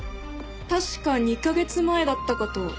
確か２カ月前だったかと。